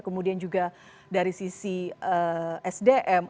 kemudian juga dari sisi sdm